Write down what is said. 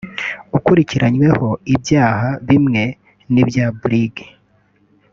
akurikiranyweho ibyaha bimwe n’ibya Brig